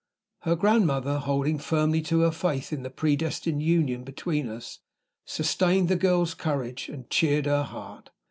Her grandmother, holding firmly to her faith in the predestined union between us, sustained the girl's courage and cheered her heart.